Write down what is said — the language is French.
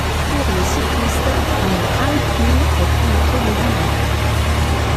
Pour les cyclistes, une enclume est une automobile.